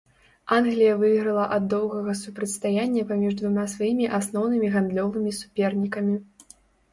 Англія выйграла ад доўгага супрацьстаяння паміж двума сваімі асноўнымі гандлёвымі супернікамі.